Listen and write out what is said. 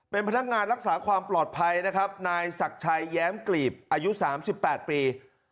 เป็นพนักงานรักษาความปลอดภัยนะครับนายศักดิ์ชัยแย้มกลีบอายุ๓๘ปี